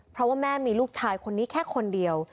เพราะว่าแม่มีลูกชายคนนี้แค่คนเดียว